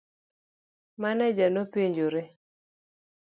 Maneja nopenjore.